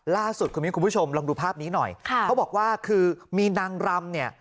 ล่าสุดคุณมิ้นคุณผู้ชมลองดูภาพนี้หน่อยค่ะเขาบอกว่าคือมีนางรำเนี่ย